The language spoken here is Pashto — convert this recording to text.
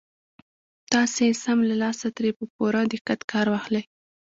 تاسې سم له لاسه ترې په پوره دقت کار واخلئ.